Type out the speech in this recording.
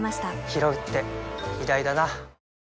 ひろうって偉大だな